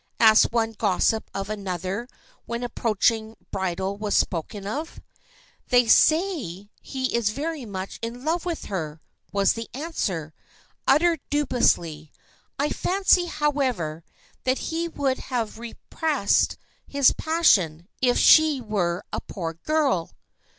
asked one gossip of another when an approaching bridal was spoken of. "They say he is very much in love with her!" was the answer, uttered dubiously. "I fancy, however, that he would have repressed his passion, if she were a poor girl."